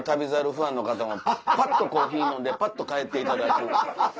ファンの方もぱっとコーヒー飲んでぱっと帰っていただいて。